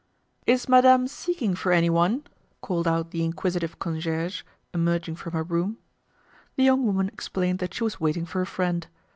"Is madame seeking for any one?" called out the inquisitive concierge, emerging from her room. The young woman explained that she was waiting for a friend.